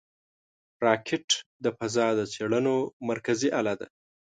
راکټ د فضا د څېړنو مرکزي اله ده